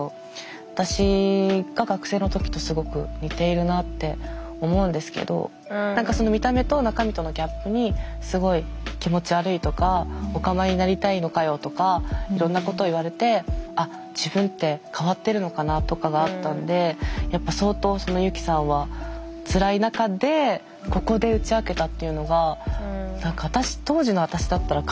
私が学生の時とすごく似ているなって思うんですけど何か見た目と中身とのギャップにすごい気持ち悪いとかオカマになりたいのかよとかいろんなこと言われて「あっ自分って変わってるのかな」とかがあったんでやっぱ相当ユキさんはつらい中でここで打ち明けたっていうのが何か当時の私だったら考えられない。